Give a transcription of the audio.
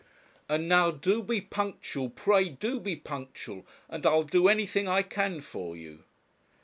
And now do be punctual, pray do be punctual, and I'll do anything I can for you.'